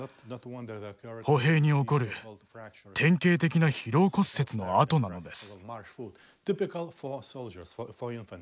歩兵に起こる典型的な疲労骨折の痕なのです。